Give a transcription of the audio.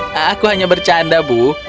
hahaha aku hanya bercanda ibu